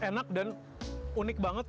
enak dan unik banget